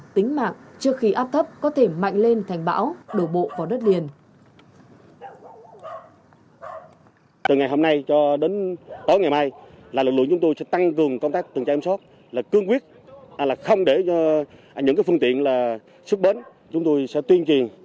tính mạng trước khi áp thấp có thể mạnh lên thành bão đổ bộ vào đất liền